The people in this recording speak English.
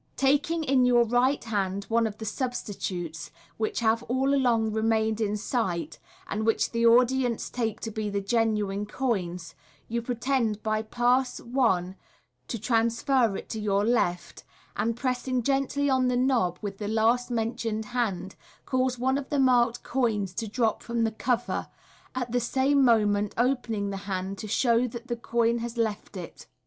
Taking in your right hand one of the substitutes, which have all along remained in sight, and which the audience take to be the genuine coins, you pretend by Pass i to trans fer it to your left, and pressing gently on the knob with the last men tioned hand, cause one of the marked coins to drop from the cover, at the same moment opening the hand to show that the coin has I'ift it.